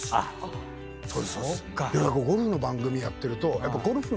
ゴルフの番組やってると。